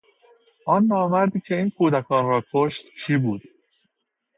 آن نامردی که این کودکان را کشت کی بود؟